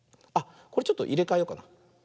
これちょっといれかえようかな。